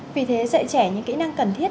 vì thế dạy trẻ những kỹ năng cần thiết